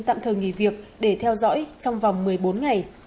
tạm thời nghỉ việc để theo dõi trong vòng một mươi bốn ngày